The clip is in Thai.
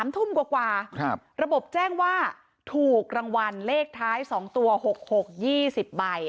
๓ทุ่มกว่าระบบแจ้งว่าถูกรางวัลเลขท้าย๒ตัว๖๖๒๐ใบ